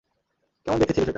কেমন দেখতে ছিল সেটা?